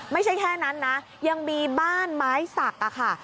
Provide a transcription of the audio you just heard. ไม่ใช่แค่นั้นนะยังมีบ้านไม้สักค่ะ